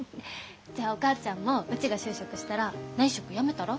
じゃあお母ちゃんもうちが就職したら内職やめたら？